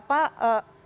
apa yang bisa disampaikan